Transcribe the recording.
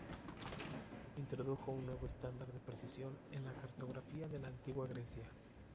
Introdujo un nuevo estándar de precisión en la cartografía de la antigua Grecia.